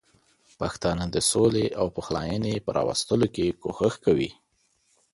پښتانه د سولې او پخلاینې په راوستلو کې کوښښ کوي.